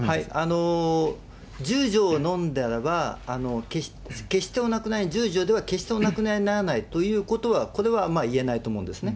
１０錠飲んだらば、決してお亡くなりに、１０錠では決してお亡くなりにならないということは、これは言えないと思うんですね。